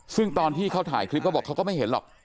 ซึ่งตอนที่เขาถ่ายคลิปเขาบอกเขาก็ไม่เห็นหรอก